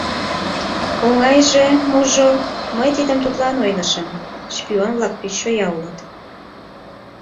— Оҥайже, можо, мый тидым тудлан ойлышым — шпион-влак пеш чоя улыт.